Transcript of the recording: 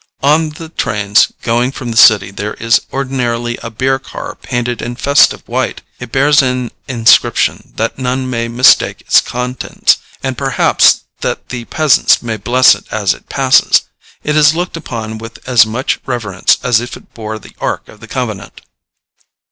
On the trains going from the city there is ordinarily a beer car painted in festive white. It bears an inscription, that none may mistake its contents, and perhaps that the peasants may bless it as it passes. It is looked upon with as much reverence as if it bore the ark of the covenant.